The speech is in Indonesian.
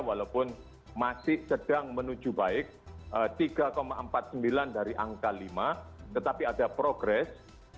walaupun masih sedang menuju baik tiga empat puluh sembilan dari angka lima tetapi ada progres